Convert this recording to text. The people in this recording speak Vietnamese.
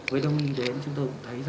với đông y đến chúng ta cũng thấy